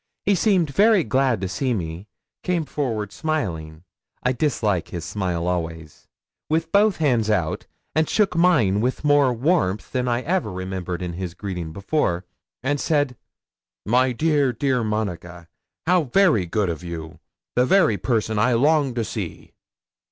'He seemed very glad to see me, came forward smiling I disliked his smile always with both hands out, and shook mine with more warmth than I ever remembered in his greeting before, and said '"My dear, dear Monica, how very good of you the very person I longed to see!